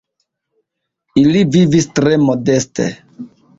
Ili vivis tre modeste.